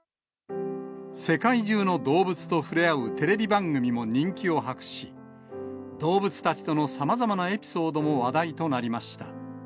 世界中の動物と触れ合うテレビ番組も人気を博し、動物たちとのさまざまなエピソードも話題となりました。